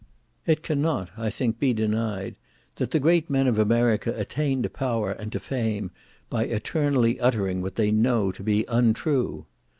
It cannot, I think, be denied that the great men of America attain to power and to fame, by eternally uttering what they know to be untrue.